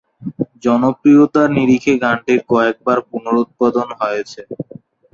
জনপ্রিয়তার নিরিখে গানটির কয়েকবার পুনরুৎপাদন হয়েছে।